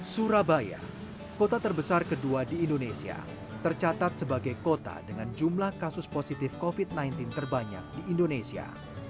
surabaya kota terbesar kedua di indonesia tercatat sebagai kota dengan jumlah kasus positif covid sembilan belas terbanyak di indonesia